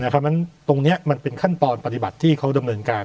ตรงเนี่ยมันเป็นขั้นตอนปฏิบัติที่เขาดำเนินการ